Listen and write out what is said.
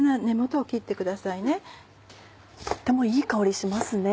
とってもいい香りしますね。